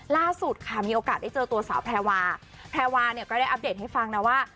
ล่าสุดค่ะมีโอกาสได้เจอตัวสาวแพรวาแพรวาเนี่ยก็ได้อัปเดตให้ฟังนะว่า